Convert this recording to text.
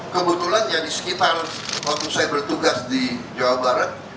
kebetulan yang di sekitar waktu saya bertugas di jawa barat